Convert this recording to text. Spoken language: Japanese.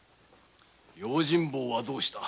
用心棒はどうした？